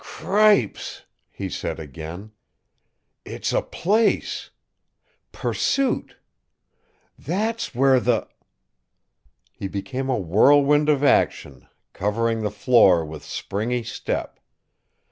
"Cripes!" he said again. "It's a place! Pursuit! That's where the " He became a whirlwind of action, covered the floor with springy step.